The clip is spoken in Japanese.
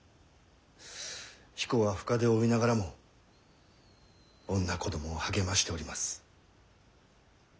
彦は深手を負いながらも女子供を励ましております。